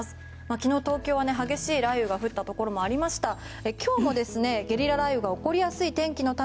昨日、東京は激しい雷雨が降ったところもありました。